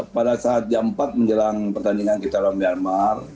pada saat jam empat menjelang pertandingan kita lawan myanmar